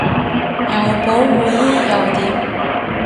有保護衣又點